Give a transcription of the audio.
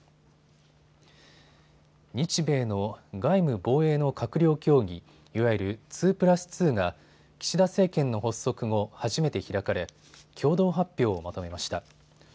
日米の外務・防衛の閣僚協議、いわゆる２プラス２が岸田政権の発足後、初めて開かれ共同発表をまとめました。